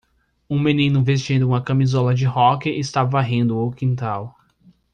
Um menino vestindo uma camisola de hóquei está varrendo o quintal.